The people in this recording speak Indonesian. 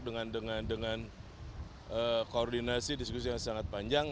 dengan koordinasi diskusi yang sangat panjang